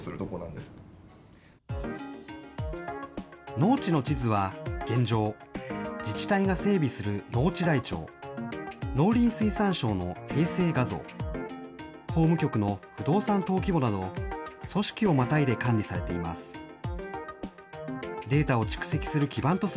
農地の地図は現状、自治体が整備する農地台帳、農林水産省の衛星画像、法務局の不動産登記簿など組織をまたいで管理されています。